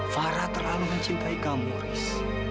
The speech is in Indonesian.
farah terlalu mencintai kamu riz